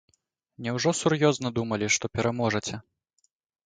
Няўжо сур'ёзна думалі, што пераможаце?